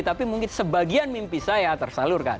tapi mungkin sebagian mimpi saya tersalurkan